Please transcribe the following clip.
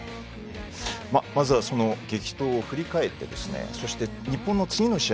まずは、激闘を振り返ってそして日本の次の試合